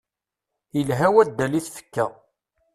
Ilha waddal i tfekka.